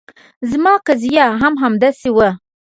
زما قضیه هم همداسې وه.